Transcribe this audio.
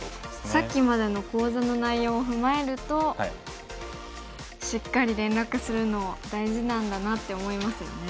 さっきまでの講座の内容を踏まえるとしっかり連絡するの大事なんだなって思いますよね。